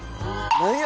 何や？